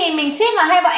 bọn em chỉ ship thôi chị nhé